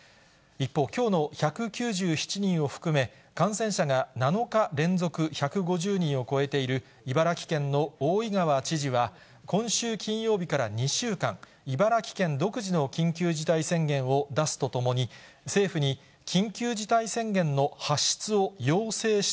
一方、きょうの１９７人を含め、感染者が７日連続１５０人を超えている、茨城県の大井川知事は、今週金曜日から２週間、茨城県独自の緊急事態宣言を出すとともに、以上、きょうコレをお伝えしました。